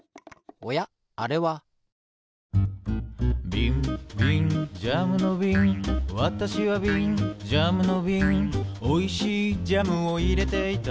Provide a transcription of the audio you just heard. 「びんびんジャムのびんわたしはびん」「ジャムのびんおいしいジャムをいれていた」